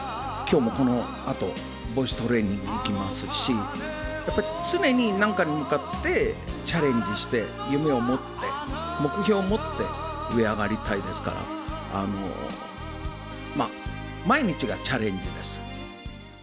きょうもこのあと、ボイストレーニング行きますし、やっぱり、常に何かに向かってチャレンジして、夢を持って、目標を持って、上に上がりたいですから、毎日がチャレンジです。